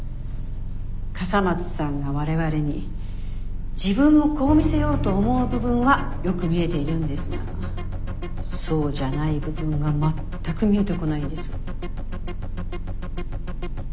笠松さんが我々に「自分をこう見せよう」と思う部分はよく見えているんですがそうじゃない部分が全く見えてこないんです。